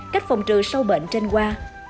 cách phòng trừ sâu bệnh trên hoa